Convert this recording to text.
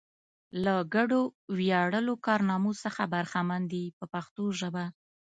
له ګډو ویاړلو کارنامو څخه برخمن دي په پښتو ژبه.